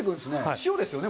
塩ですよね？